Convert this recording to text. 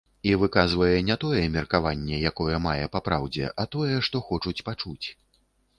І выказвае не тое меркаванне, якое мае папраўдзе, а тое, што хочуць пачуць.